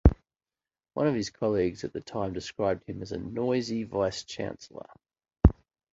One of his colleagues at the time described him as "a noisy" vice chancellor.